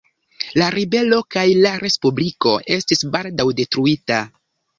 La ribelo kaj la respubliko estis baldaŭ detruita.